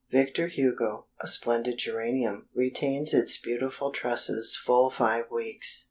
Victor Hugo, a splendid geranium, retains its beautiful trusses full five weeks.